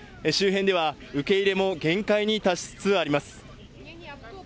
周辺では、受け入れも限界に達しつつあります。